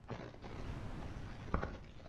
这次好贵